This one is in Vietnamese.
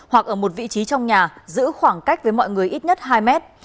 hoặc ở một vị trí trong nhà giữ khoảng cách với mọi người ít nhất hai mét